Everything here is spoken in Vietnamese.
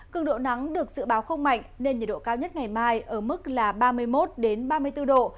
cường độ nắng được dự báo không mạnh nên nhiệt độ cao nhất ngày mai ở mức là ba mươi một ba mươi bốn độ